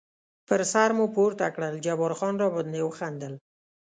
پر سر مو پورته کړل، جبار خان را باندې وخندل.